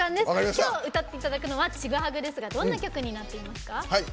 今日、歌っていただくのは「チグハグ」ですがどんな曲になっていますか？